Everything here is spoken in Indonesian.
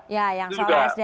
ya yang soal sdm